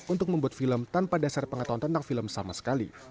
untuk membuat film tanpa dasar pengetahuan tentang film sama sekali